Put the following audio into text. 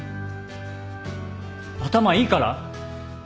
頭いいから？